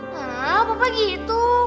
hah apa apa gitu